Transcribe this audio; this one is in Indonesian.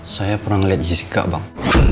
saya pernah melihat jessica bang